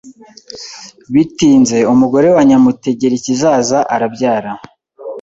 Bitinze umugore wa Nyamutegerikizaza arabyara